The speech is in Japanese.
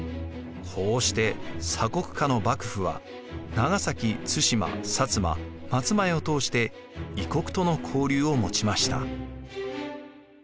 こうして鎖国下の幕府は長崎・対馬・摩・松前を通して異国との交流を持ちました。